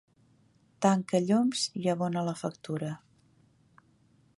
Tanca llums i abona la factura.